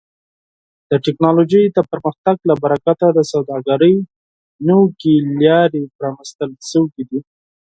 د ټکنالوژۍ د پرمختګ له برکت د سوداګرۍ نوې لارې پرانیستل شوي دي.